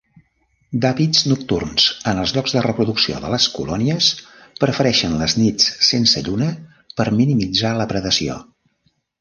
D'hàbits nocturns en els llocs de reproducció de les colònies, prefereixen les nits sense lluna per minimitzar la predació.